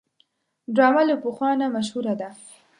ډرامه له پخوا نه مشهوره ده